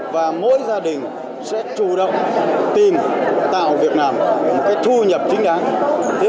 và mỗi gia đình sẽ chủ động tìm tạo việc làm một cái thu nhập chính đáng